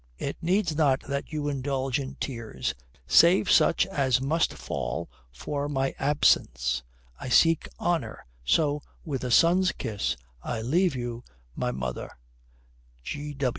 It needs not that you indulge in tears, save such as must fall for my absence. I seek honour. So, with a son's kiss, I leave you, my mother.